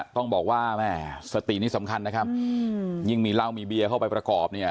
ต้องบอกว่าแม่สตินี้สำคัญนะครับยิ่งมีเหล้ามีเบียเข้าไปประกอบเนี่ย